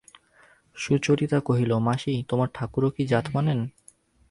সুচরিতা কহিল, মাসি, তোমার ঠাকুরও কি জাত মানেন?